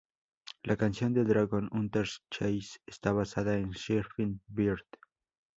La canción de Dragón Hunters Chase está basada en Surfin 'Bird.